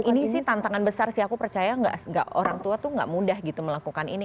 ini sih tantangan besar sih aku percaya gak orang tua tuh gak mudah gitu melakukan ini